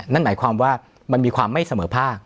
นั่นหมายความว่ามันมีความไม่เสมอภาค